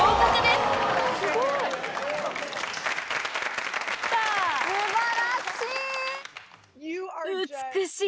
すばらしい。